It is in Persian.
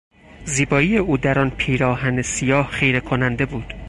زیبایی او در آن پیراهن سیاه خیرهکننده بود.